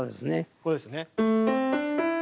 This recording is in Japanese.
これですね。